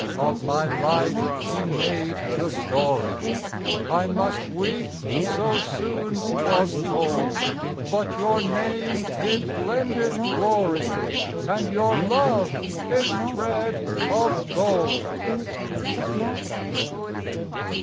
Of my life she made the story : I must weep — so soon 't was told ! But your name did lend it glory, And your love its thread of gold.